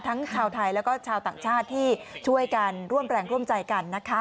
ทั้งชาวไทยแล้วก็ชาวต่างชาติที่ช่วยกันร่วมแรงร่วมใจกันนะคะ